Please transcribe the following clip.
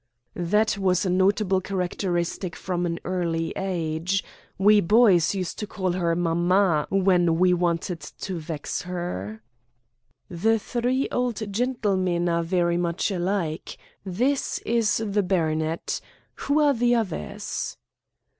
"That was a notable characteristic from an early age. We boys used to call her 'Mama,' when we wanted to vex her." "The three old gentlemen are very much alike. This is the baronet. Who are the others?"